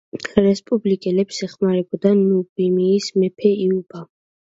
რესპუბლიკელებს ეხმარებოდა ნუმიდიის მეფე იუბა.